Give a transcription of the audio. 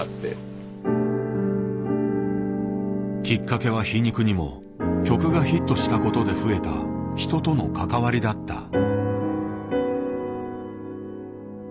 きっかけは皮肉にも曲がヒットしたことで増えた人との関わりだった。